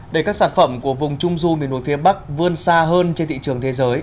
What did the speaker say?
để các sản phẩm của vùng trung du miền núi phía bắc vươn xa hơn trên thị trường thế giới